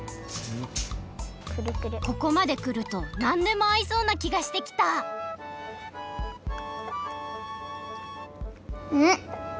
ここまでくるとなんでもあいそうなきがしてきたうん？